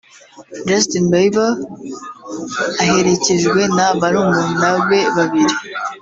Justin Bieber aherekejwe na barumuna be babiri